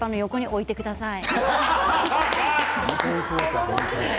置いてください。